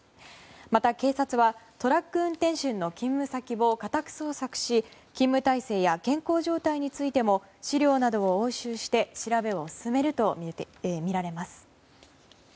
また、警察はトラック運転手の勤務先を家宅捜索し勤務体制や健康状態についても資料などを押収して調べを進めるとみられます。